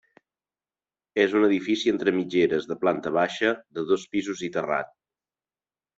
És un edifici entre mitgeres de planta baixa, dos pisos i terrat.